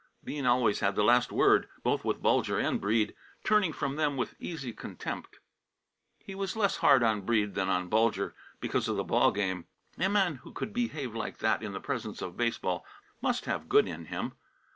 Bean always had the last word, both with Bulger and Breede, turning from them with easy contempt. He was less hard on Breede than on Bulger, because of the ball game. A man who could behave like that in the presence of baseball must have good in him.